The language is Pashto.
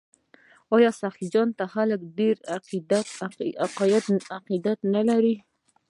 آیا سخي جان ته خلک ډیر عقیدت نلري؟